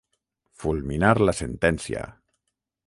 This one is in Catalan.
Fulminar la sentència.